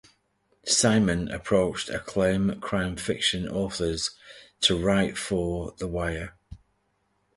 Simon approached acclaimed crime fiction authors to write for "The Wire".